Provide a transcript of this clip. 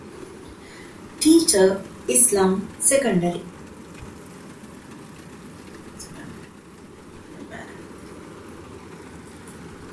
ޓީޗަރ އިސްލާމް، ސެކަންޑްރީ